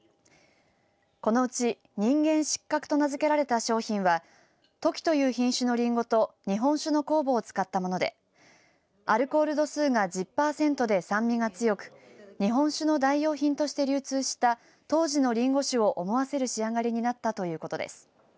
このうち人間失格と名付けられた商品はトキという品種のりんごと日本酒の酵母を使ったものでアルコール度数が１０パーセントで酸味が強く日本酒の代用品として流通した当時のりんご酒を思わせる仕上がりになったということです。